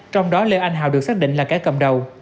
trong đó lê anh hào được xác định là kẻ cầm đầu